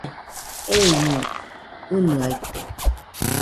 Euiño ɨnɨaite.